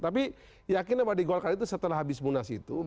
tapi yakin apa di golkar itu setelah habis munas itu